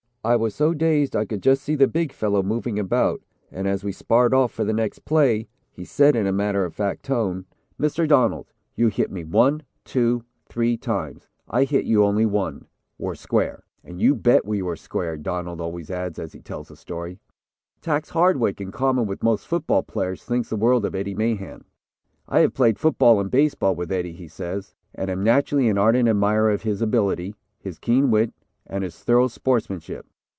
I was so dazed I could just see the big fellow moving about and as we sparred off for the next play he said in a matter of fact tone: "'Mr. Donald, you hit me, one, two, three times, I hit you only one we're square.' "And you bet we were square," Donald always adds as he tells the story. Tacks Hardwick, in common with most football players, thinks the world of Eddie Mahan. "I have played football and baseball with Eddie," he says, "and am naturally an ardent admirer of his ability, his keen wit and his thorough sportsmanship.